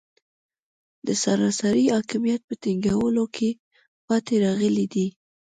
د سراسري حاکمیت په ټینګولو کې پاتې راغلي دي.